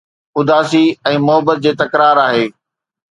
اداسي ۽ محبت جي تڪرار آهي